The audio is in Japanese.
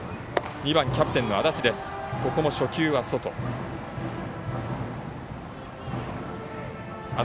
２番、キャプテンの安達。